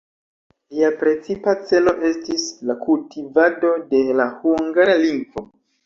Lia precipa celo estis la kultivado de la hungara lingvo.